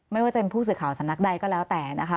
ไม่ว่าจะเป็นผู้สื่อข่าวสำนักใดก็แล้วแต่นะคะ